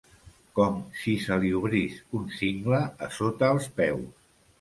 Com si se li obrís un cingle a sota els peus.